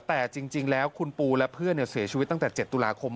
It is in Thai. แต่จริงแล้วคุณปูและเพื่อนเสียชีวิตตั้งแต่๗ตุลาคม